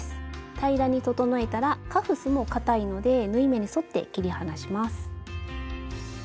平らに整えたらカフスもかたいので縫い目に沿って切り離します。